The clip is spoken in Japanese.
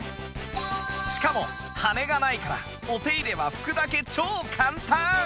しかも羽根がないからお手入れは拭くだけ超簡単！